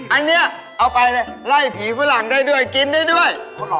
อันนี้เอาไปเลยไล่ผีฝรั่งได้ด้วยกินได้ด้วย